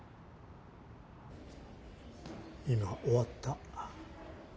今終わった。